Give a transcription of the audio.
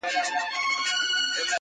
• نجلۍ له شرمه پټه ساتل کيږي,